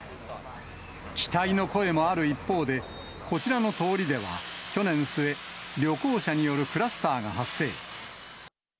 期待の声もある一方で、こちらの通りでは、去年末、旅行者によるクラスターが発生。